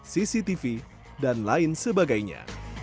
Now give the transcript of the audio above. cctv dan lain sebagainya